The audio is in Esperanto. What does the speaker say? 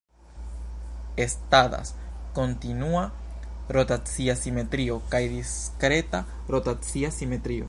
Estadas kontinua rotacia simetrio kaj diskreta rotacia simetrio.